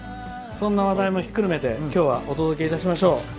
そんな話題もひっくるめて今日はお届けしましょう。